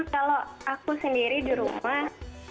kalau aku sendiri di rumah